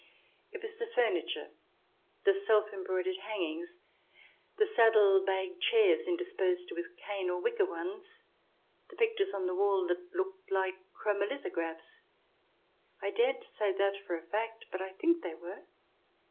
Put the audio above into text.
It was the furniture, the self embroidered hangings, the saddle bag chairs, interspersed with cane or wicker ones, the pictures on the wall that looked like chromo lithographs (I daren't say that for a fact, but I think they were).